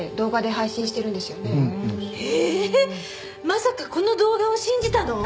まさかこの動画を信じたの？